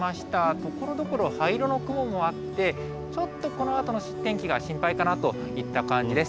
ところどころ灰色の雲もあって、ちょっとこのあとの天気が心配かなといった感じです。